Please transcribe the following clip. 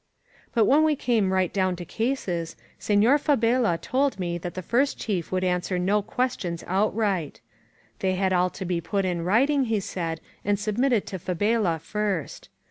But when we came right down to cases, Senor Fa bela told me that the First Chief would answer no questions outright. They had all to be put in writing, he said, and submitted to Fabela first.